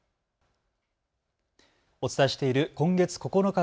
お伝えしている今月９日